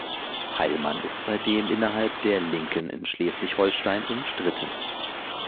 Heilmann ist seitdem innerhalb der "Linken" in Schleswig-Holstein umstritten.